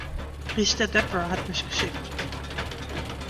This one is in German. Richter Debra hat mich geschickt.